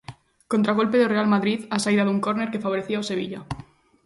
Contragolpe do Real Madrid á saída dun córner que favorecía ao Sevilla.